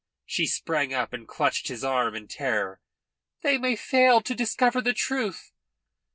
She sprang up and clutched his arm in terror. "They may fail to discover the truth."